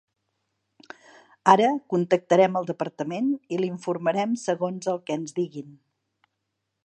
Ara contactarem al departament i l'informarem segons el que ens diguin.